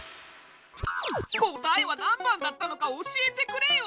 答えは何番だったのか教えてくれよ！